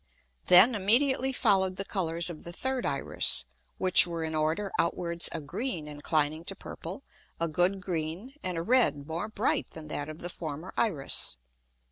Then immediately follow'd the Colours of the third Iris, which were in order outwards a green inclining to purple, a good green, and a red more bright than that of the former Iris.